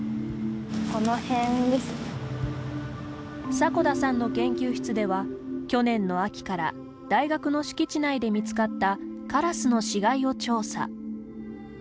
迫田さんの研究室では去年の秋から大学の敷地内で見つかったカラスの死骸を調査。